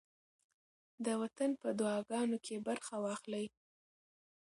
د وطن په دعاګانو کې برخه واخلئ.